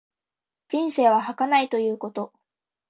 人生は儚いということ。